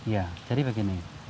ya jadi begini